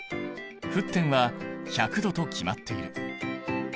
沸点は１００℃と決まっている。